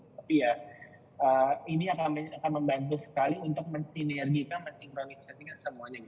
tapi ya ini akan membantu sekali untuk mensinergikan mensinkronisasikan semuanya